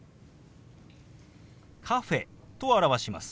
「カフェ」と表します。